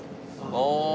ああ。